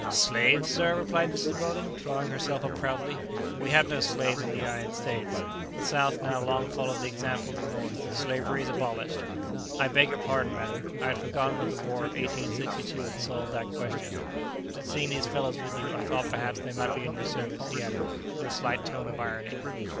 "Slaves! sir," replied Mrs. Weldon, drawing herself up proudly; "we have no slaves in the United States. The south has now long followed the example of the north. Slavery is abolished." "I beg your pardon, madam. I had forgotten that the war of 1862 had solved that question. But seeing these fellows with you, I thought perhaps they might be in your service," he added, with a slight tone of irony.